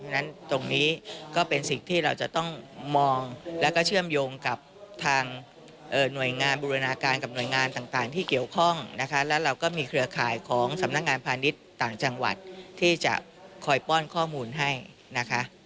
นั้นตรงนี้ก็เป็นสิ่งที่เราจะต้องมองแล้วก็เชื่อมโยงกับทางหน่วยงานบูรณาการกับหน่วยงานต่างที่เกี่ยวข้องนะคะแล้วเราก็มีเครือข่ายของสำนักงานพาณิชย์ต่างจังหวัดที่จะคอยป้อนข้อมูลให้นะคะ